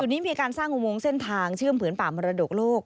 นี้มีการสร้างอุโมงเส้นทางเชื่อมผืนป่ามรดกโลก